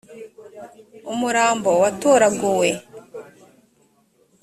umurambo watoraguwe.